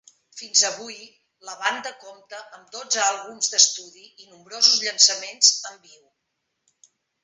Fins avui, la banda compta amb dotze àlbums d'estudi, i nombrosos llançaments en viu.